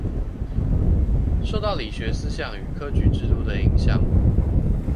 受到理學思想與科舉制度的影響